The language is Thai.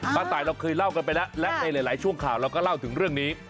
ตายเราเคยเล่ากันไปแล้วและในหลายช่วงข่าวเราก็เล่าถึงเรื่องนี้